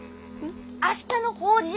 明日の法事！